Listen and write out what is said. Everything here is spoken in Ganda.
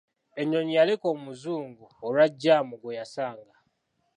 Ennyonyi yaleka omuzungu olwa jjaamu gwe yasanga.